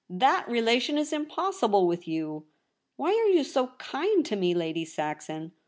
That relation is impossible with you. Why are you so kind to me, Lady Saxon